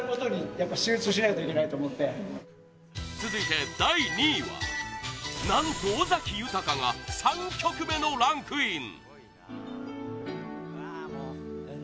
続いて、第２位は何と、尾崎豊が３曲目のランクイン！